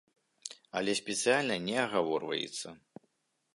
Але спецыяльна не агаворваецца.